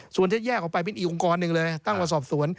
ส่วนที่แยกออกไปเป็นอีกองค์กรหนึ่งเลยตั้งมาสอบสวน